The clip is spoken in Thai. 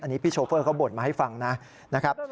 อันนี้พี่โชเฟอร์เขาบ่นมาให้ฟังนะครับ